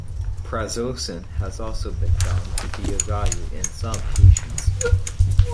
Prazosin has also been found to be of value in some patients.